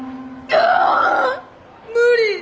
無理！